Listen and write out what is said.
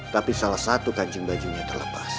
tapi salah satu kancing bajunya terlepas